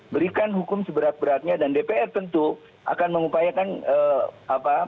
berikan hukum seberat beratnya dan dpr tentu akan mengupayakan apa